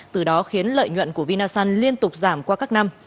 từ đó khiến lợi nhuận của vinasun liên tục giảm qua các năm